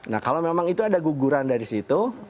nah kalau memang itu ada guguran dari situ